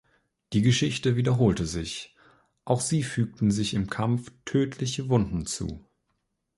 Die Geschichte wiederholte sich, auch sie fügten sich im Kampf tödliche Wunden zu.